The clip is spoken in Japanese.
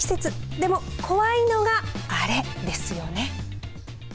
でも、怖いのがあれですよね。